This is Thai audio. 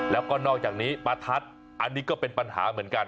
แล้วก็นอกจากนี้ประทัดอันนี้ก็เป็นปัญหาเหมือนกัน